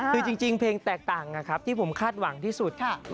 คือจริงเพลงแตกต่างนะครับที่ผมคาดหวังที่สุด